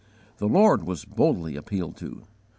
The Lord was boldly appealed to.